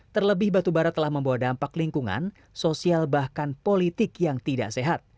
terlebih batubara telah membawa dampak lingkungan sosial bahkan politik yang tidak sehat